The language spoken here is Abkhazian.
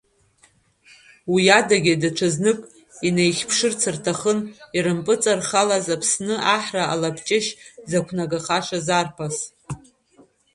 Уи адагьы, даҽазнык инаихьԥшырц рҭахын ирымпыҵархалаз Аԥсны аҳра алабаҷышь зықәнагахашаз арԥыс.